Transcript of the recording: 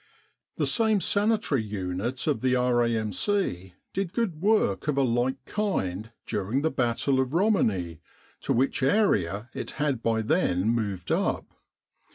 The same Sanitary unit of the R.A.M.C. did good work of a like kind during the battle of Romani, to which area it had by then moved up.